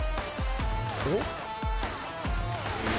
おっ？